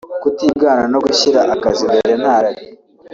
kutigana no gushyira akazi imbere nta rari